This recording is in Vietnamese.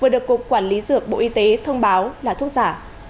vừa được cục quản lý dược bộ y tế thông báo là thuốc giả